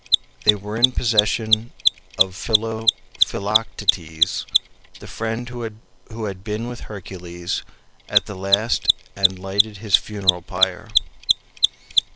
They were in possession of Philoctetes, the friend who had been with Hercules at the last and lighted his funeral pyre.